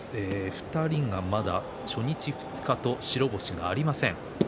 ２人がまだ初日、２日と白星がありません。